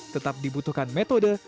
tetap dibutuhkan metode